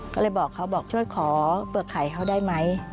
ก็เลยบอกเขาบอกช่วยขอเปลือกไข่เขาได้ไหม